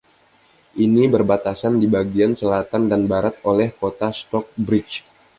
Ini berbatasan di bagian selatan dan barat oleh kota Stockbridge.